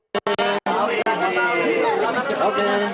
cukup dengan kan